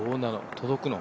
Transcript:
届くの？